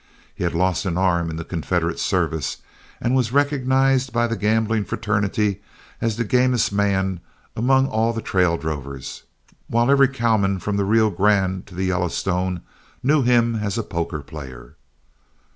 He had lost an arm in the Confederate service, and was recognized by the gambling fraternity as the gamest man among all the trail drovers, while every cowman from the Rio Grande to the Yellowstone knew him as a poker player.